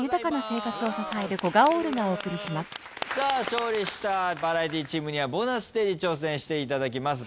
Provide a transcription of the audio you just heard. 勝利したバラエティチームにはボーナスステージ挑戦していただきます。